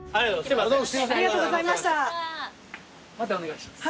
またお願いします。